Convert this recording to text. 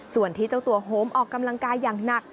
ส่วนที่เจ้าตัวโฮมออกกำลังกายอย่างหนัก